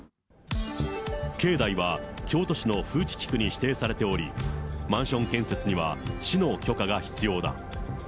境内は京都市の風致地区に指定されており、マンション建設には市の許可が必要だ。